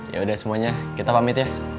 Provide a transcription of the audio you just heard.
ya udah semuanya kita pamit ya